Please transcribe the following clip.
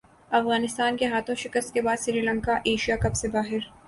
افغانستان کے ہاتھوں شکست کے بعد سری لنکا ایشیا کپ سے باہر